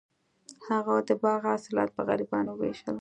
هغه د باغ حاصلات په غریبانو وویشل.